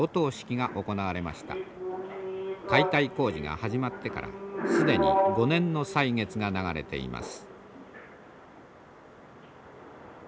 解体工事が始まってから既に５年の歳月が流れています。